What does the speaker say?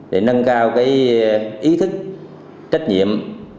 để nâng cao ý thức trách nhiệm